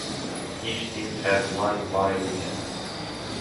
Each team had one bye weekend.